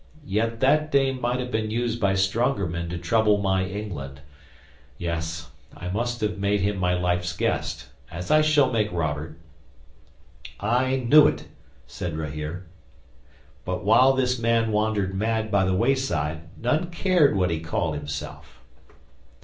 Yet that name might have been used by stronger men to trouble my England. Yes. I must have made him my life's guest as I shall make Robert." '"I knew it," said Rahere. "But while this man wandered mad by the wayside, none cared what he called himself."